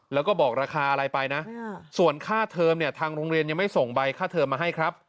แล้วก็บอกราคาอะไรไปนะส่วนค่าเทอมเนี่ยทางโรงเรียนยังไม่ส่งใบค่าเทอมมาให้ครับ